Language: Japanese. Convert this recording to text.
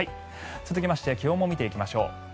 続きまして気温も見ていきましょう。